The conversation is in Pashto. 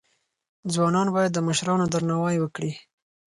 ځوانان باید د مشرانو درناوی وکړي.